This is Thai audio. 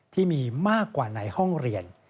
ที่มีมากกว่าในห้องเรียน